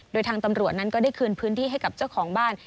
โดยทางตำรวจนั้นก็ได้คืนพื้นที่ให้กับเจ้าของบ้าน